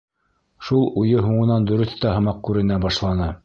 Шул уйы һуңынан дөрөҫ тә һымаҡ күренә башланы.